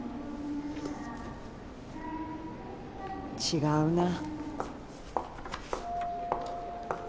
違うな。